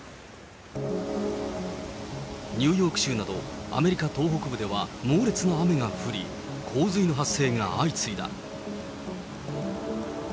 ニューヨーク州などアメリカ東北部では猛烈な雨が降り、洪水の発生が相次いだ。